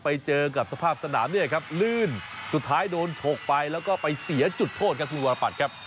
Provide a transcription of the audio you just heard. ไปเจอกับสภาพสนามเนี่ยครับลื่นสุดท้ายโดนฉกไปแล้วก็ไปเสียจุดโทษครับคุณวรปัตรครับ